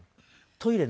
トイレ